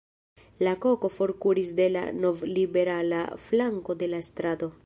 La koko forkuris de la novliberala flanko de la strato.